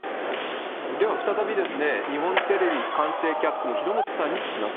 では、再び日本テレビ官邸キャップの平本さんに聞きます。